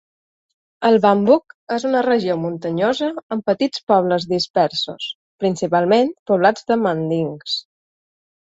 El Bambouk és una regió muntanyosa, amb petits pobles dispersos, principalment poblats de mandings.